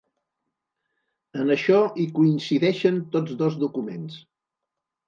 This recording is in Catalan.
En això hi coincideixen tots dos documents.